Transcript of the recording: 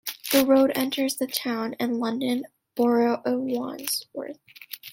The road enters the town and London borough of Wandsworth.